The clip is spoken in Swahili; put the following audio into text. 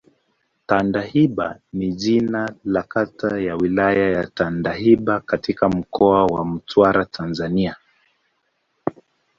Tandahimba ni jina la kata ya Wilaya ya Tandahimba katika Mkoa wa Mtwara, Tanzania.